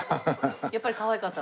やっぱりかわいかった？